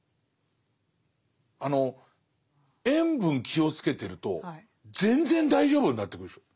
あの塩分気をつけてると全然大丈夫になってくるでしょ。